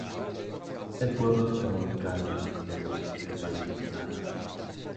El pueblo está ubicado en el extremo sur del Valle de Sand Springs.